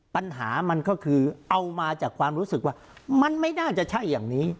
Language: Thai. ปัญหามันก็คือเอามาจากความรู้สึกว่ามันไม่น่าจะใช่อย่างนี้